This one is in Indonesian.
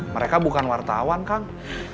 mereka bukan wartawan kang